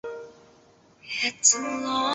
圆形盘肠蚤为盘肠蚤科盘肠蚤属的动物。